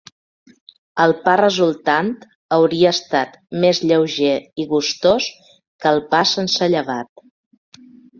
El pa resultant hauria estat més lleuger i gustós que el pa sense llevat.